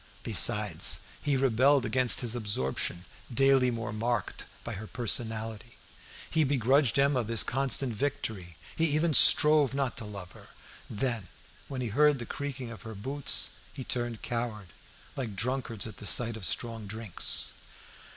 Besides, he rebelled against his absorption, daily more marked, by her personality. He begrudged Emma this constant victory. He even strove not to love her; then, when he heard the creaking of her boots, he turned coward, like drunkards at the sight of strong drinks.